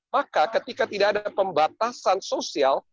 maka ketika tidak ada pembatasan sosial